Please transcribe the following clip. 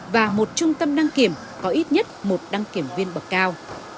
và một trung tâm đăng kiểm có ít nhất một đăng kiểm viên bậc cao